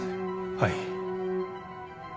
はい。